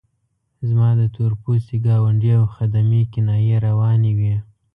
زما د تور پوستي ګاونډي او خدمې کنایې روانې وې.